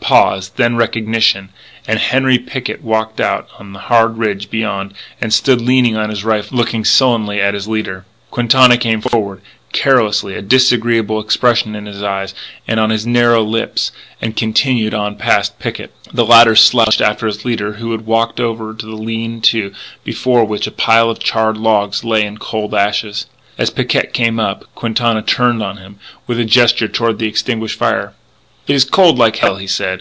A pause, then recognition; and Henri Picquet walked out on the hard ridge beyond and stood leaning on his rifle and looking sullenly at his leader. Quintana came forward, carelessly, a disagreeable expression in his eyes and on his narrow lips, and continued on past Picquet. The latter slouched after his leader, who had walked over to the lean to before which a pile of charred logs lay in cold ashes. As Picquet came up, Quintana turned on him, with a gesture toward the extinguished fire: "It is cold like hell," he said.